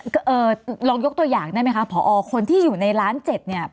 เอ่อลองยกตัวอย่างได้ไหมคะพอคนที่อยู่ในล้านเจ็ดเนี่ย